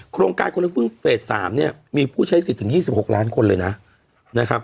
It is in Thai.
โครงการคนละครึ่งเฟส๓เนี่ยมีผู้ใช้สิทธิ์ถึง๒๖ล้านคนเลยนะครับ